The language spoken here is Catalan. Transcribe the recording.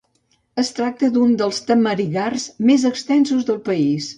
Es tracta d’un dels tamarigars més extensos del país.